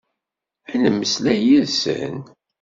Ad mmeslayeɣ yid-sen?